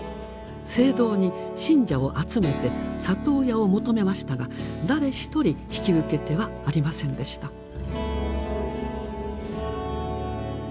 聖堂に信者を集めて里親を求めましたが誰ひとり引き受け手はありませんでした。